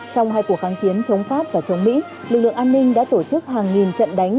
trong hai cuộc kháng chiến chống pháp và chống mỹ lực lượng an ninh đã tổ chức hàng nghìn trận đánh